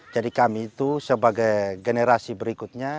kami itu sebagai generasi berikutnya